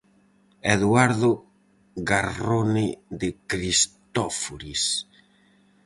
Eduado garrone de cristóforis.